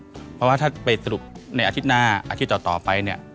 เพราะว่าถ้าไปสรุปในอาทิตย์หน้าอาทิตย์ต่อไปเนี่ย